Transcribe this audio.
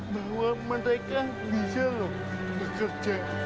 bahwa mereka bisa loh bekerja